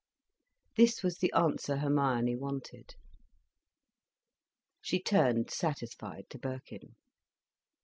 This was the answer Hermione wanted. She turned satisfied to Birkin.